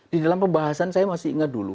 di dalam pembahasan saya masih ingat dulu